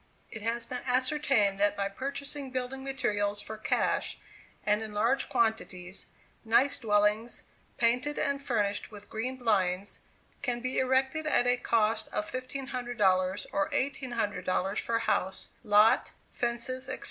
"It has been ascertained that by purchasing building materials for cash, and in large quantities, nice dwellings, painted and furnished with green blinds, can be erected at a cost of $1,500 or $1,800, for house, lot, fences, etc.